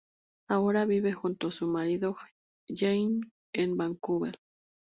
Ahora vive junto con su marido Jamie en Vancouver.